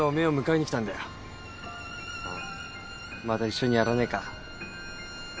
また一緒にやらねえか？